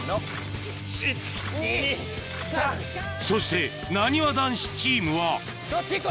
そしてなにわ男子チームはどっち？